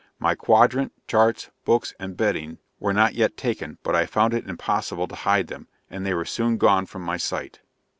My quadrant, charts, books and bedding were not yet taken, but I found it impossible to hide them, and they were soon gone from my sight.